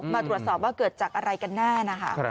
มาตรวจสอบว่าเกิดจากอะไรกันแน่นะคะ